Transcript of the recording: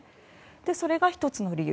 それが１つの理由。